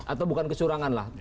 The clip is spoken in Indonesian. atau bukan kecurangan lah